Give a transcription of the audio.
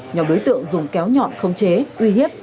nhóm đối tượng dùng kéo nhọn không chế uy hiếp